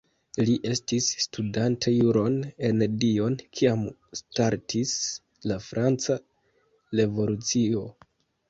Li estis studante juron en Dijon kiam startis la Franca Revolucio.